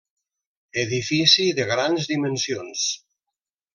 Edifici de grans dimensions.